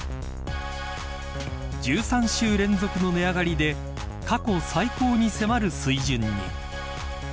１３週連続の値上がりで過去最高に迫る水準に。